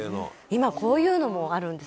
「今こういうのもあるんです。